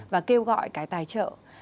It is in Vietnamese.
và kêu gọi cái tài trợ